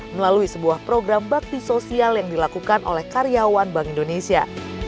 melalui sebuah program bakti sosial yang dilakukan oleh karyawan bank indonesia